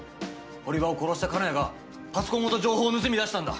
堀場を殺した金谷がパソコンごと情報を盗み出したんだ。